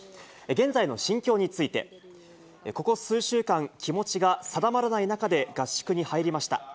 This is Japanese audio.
現在の心境について、ここ数週間、気持ちが定まらない中で合宿に入りました。